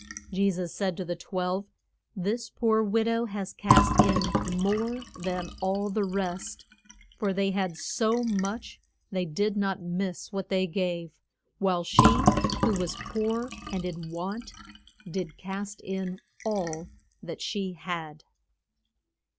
Je sus said to the twelve, This poor wid ow has cast in more than all the rest. For they had so much they did not miss what they gave; while she, who was poor and in want, did cast in all that she had.